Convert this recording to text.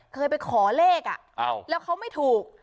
เคยไปขอเลขแล้วเขาไม่ถูก